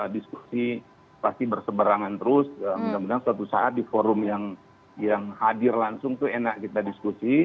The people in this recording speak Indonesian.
diskusi pasti berseberangan terus mudah mudahan suatu saat di forum yang hadir langsung itu enak kita diskusi